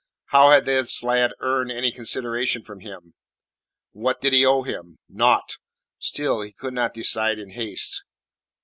How had this lad earned any consideration from him? What did he owe him? Naught! Still, he would not decide in haste.